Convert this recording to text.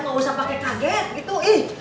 gak usah pake kaget gitu